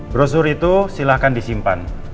brosur itu silahkan disimpan